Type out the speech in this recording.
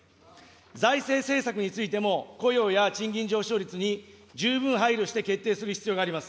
財政政策についても、雇用や賃金上昇率に十分配慮して決定する必要があります。